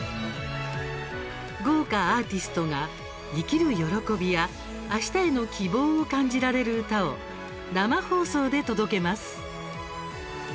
豪華アーティストが生きる喜びやあしたへの希望を感じられる歌を生放送で届けます。